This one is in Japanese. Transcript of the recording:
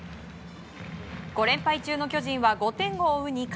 ５連敗中の巨人は５点を追う２回。